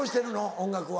音楽は。